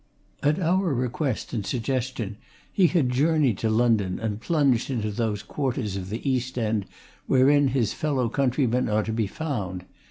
At our request and suggestion, he had journeyed to London and plunged into those quarters of the East End wherein his fellow countrymen are to be found.